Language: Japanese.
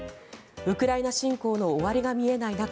ウクライナ侵攻の終わりが見えない中